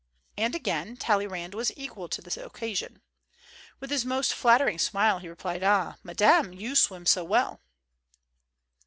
And again Talleyrand was equal to the occasion. With his most flut tering smile he replied, "Ah, Madame, you swim so well."